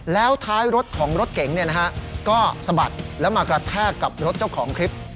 แล้วท้ายรถของรถเก๋งก็สะบัดแล้วมากระแทกกับรถเจ้าของคลิป